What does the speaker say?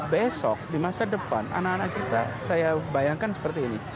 besok di masa depan anak anak kita saya bayangkan seperti ini